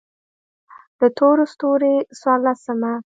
د تور ستوري څوارلسمه: